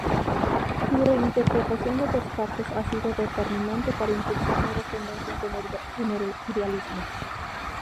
Su reinterpretación de Descartes ha sido determinante para impulsar nuevas tendencias en el idealismo.